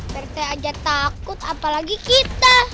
berte aja takut apalagi kita